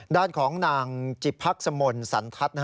ด้านของนางจิพักษมลสันทัศน์